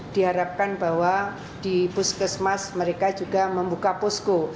diharapkan bahwa di puskesmas mereka juga membuka posko